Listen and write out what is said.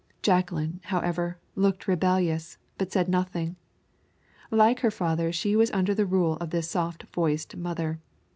Jacqueline, however, looked rebellious, but said nothing. Like her father, she was under the rule of this soft voiced mother.